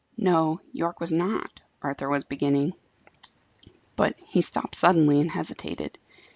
"No, Yorke was not," Arthur was beginning. But he stopped suddenly and hesitated.